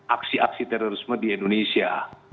aksi aksi terorisme di indonesia